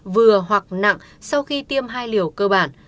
vừa hoặc nặng sau khi tiêm hai liều cơ bản